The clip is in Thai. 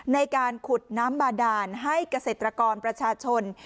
ในการขุดน้ำบาดานให้เกษตรกรประชาชน